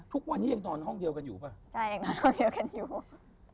ทุกวันนี้ยังนอนห้องเดียวกันอยู่ป่ะใช่ยังนอนห้องเดียวกันอยู่ป่ะ